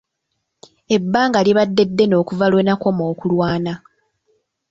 Ebbanga libaddde ddene okuva lwe nakoma okulwana.